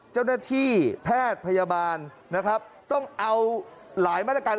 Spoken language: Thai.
เจ้าหน้าที่แพทย์พยาบาลนะครับต้องเอาหลายมาตรการ